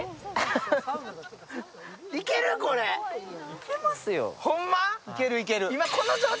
いけますよ。